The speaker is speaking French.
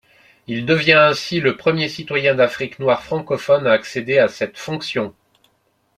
Il devient ainsi le premier citoyen d'Afrique noire francophone à accéder à cette fonction.